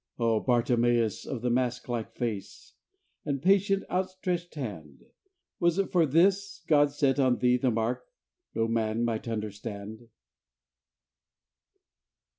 Oh, Bartimeus of the mask like face, And patient, outstretched hand, Was it for this God set on thee the mark No man might understand?